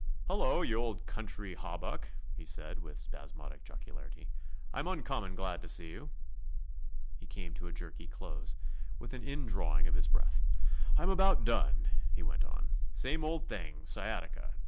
"Hullo, you old country hawbuck," he said, with spasmodic jocularity; "I'm uncommon glad to see you." He came to a jerky close, with an indrawing of his breath. "I'm about done," he went on. "Same old thing sciatica.